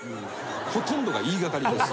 ほとんどが言い掛かりです。